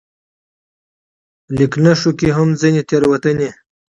ليکنښو کې هم ځينې تېروتنې